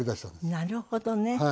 なるほどね。